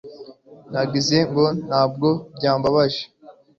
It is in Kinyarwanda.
nagize ngo ntabwo byambabaje